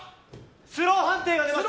スロー判定が出ます。